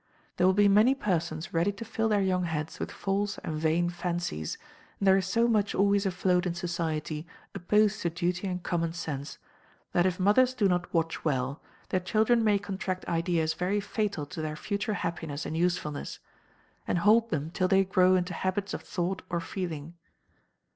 There will be many persons ready to fill their young heads with false and vain fancies, and there is so much always afloat in society opposed to duty and common sense, that if mothers do not watch well, their children may contract ideas very fatal to their future happiness and usefulness, and hold them till they grow into habits of thought or feeling.